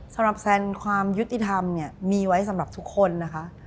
แซนความยุติธรรมเนี่ยมีไว้สำหรับทุกคนนะคะ